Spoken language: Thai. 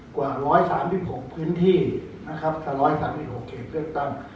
กว่า๑๓๖พื้นที่แต่๑๓๖เขตเลือกตั้ง